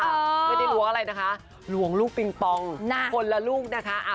ไม่ได้ล้วงอะไรนะคะล้วงลูกปิงปองคนละลูกนะคะ